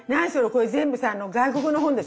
これ全部さ外国の本でしょう。